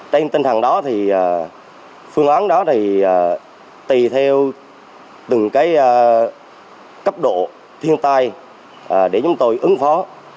tên tên thằng đó thì phương án đó thì tùy theo từng cái cấp độ thiên tai để chúng tôi ứng phó